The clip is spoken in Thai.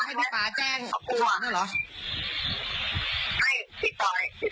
ใช่ติดต่อพวกนี้เขาจะต่อรองกันว่าจะเอาอะไรอะไรอย่างเงี้ย